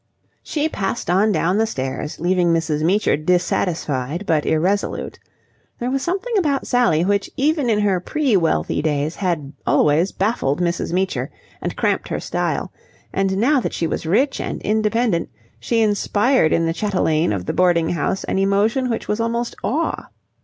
She passed on down the stairs, leaving Mrs. Meecher dissatisfied but irresolute. There was something about Sally which even in her pre wealthy days had always baffled Mrs. Meecher and cramped her style, and now that she was rich and independent she inspired in the chatelaine of the boarding house an emotion which was almost awe.